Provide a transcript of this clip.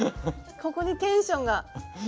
ここでテンションが。